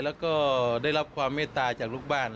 แล้วก็ได้รับความเมตตาจากลูกบ้าน